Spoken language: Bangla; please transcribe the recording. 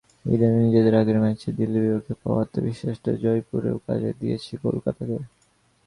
ইডেনে নিজেদের আগের ম্যাচে দিল্লির বিপক্ষে পাওয়া আত্মবিশ্বাসটা জয়পুরেও কাজে দিয়েছে কলকাতাকে।